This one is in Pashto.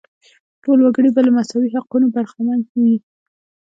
ټول وګړي به له مساوي حقونو برخمن وو.